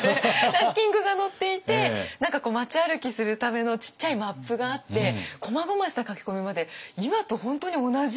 ランキングが載っていて何か街歩きするためのちっちゃいマップがあってこまごました書き込みまで今と本当に同じ。